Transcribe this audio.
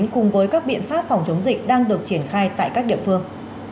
cùng với các biện pháp phòng chống dịch đang được triển khai tại các địa phương